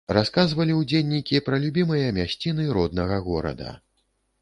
Расказвалі ўдзельнікі пра любімыя мясціны роднага горада.